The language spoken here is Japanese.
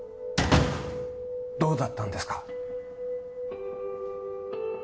どうだったんですか？